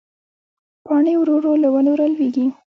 پاڼې ورو ورو له ونو رالوېږي